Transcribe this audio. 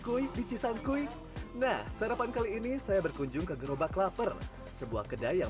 kue di cisangkui nah sarapan kali ini saya berkunjung ke gerobak lapar sebuah kedai yang